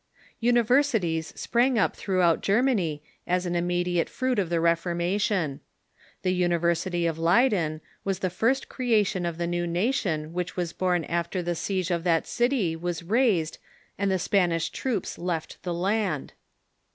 Universities sprang up throughout Germany as an imme diate fruit of the Reformation. The University of Leyden was the first creation of the new nation which was Literature ,^ i • pi •, t i born after the siege oi that city was raised and the Spanish troops left the land.